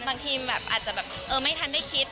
บางทีอาจจะแบบเกิดไม่ทันได้คิด